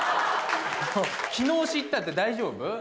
昨日知ったって大丈夫？